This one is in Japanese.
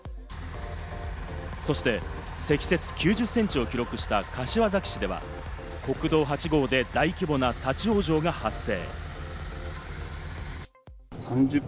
そして積雪９０センチを記録した柏崎市では国道８号で大規模な立ち往生が発生。